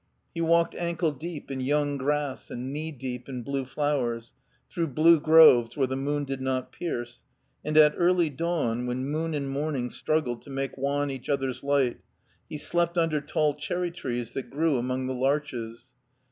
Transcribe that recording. He walked ankle deep in young grass and knee deep in blue flowers, through blue groves where the moon did not pierce, and at early dawn, when moon and morning struggled to make wan each other's light, he slept under tall cherry trees that grew among the larches.